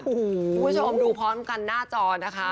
คุณผู้ชมดูพร้อมกันหน้าจอนะคะ